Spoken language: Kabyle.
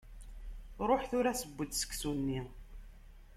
Ruḥ tura seww-d seksu-nni.